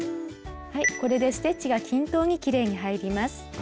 これでステッチが均等にきれいに入ります。